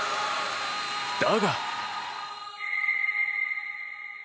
だが。